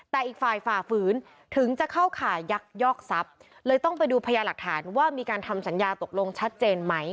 แต่อีกฝ่ายฝ่าฝืนถึงจะเข้าข่ายักยอกทรัพย์เลยต้องไปดูพยาหลักฐานว่ามีการทำสัญญาตกลงชัดเจนไหม